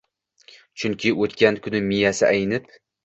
Chunki o’tgan kuni miyasi aynib